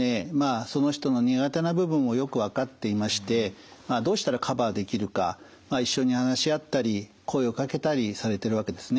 その人の苦手な部分をよく分かっていましてどうしたらカバーできるか一緒に話し合ったり声をかけたりされてるわけですね。